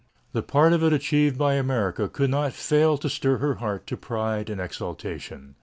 "] The part of it achieved by America could not fail to stir her heart to pride and to exaltation.